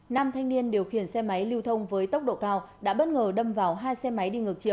nam thanh niên điều khiển xe máy lưu thông với tốc độ cao đã bất ngờ đâm vào hai xe máy đi ngược chiều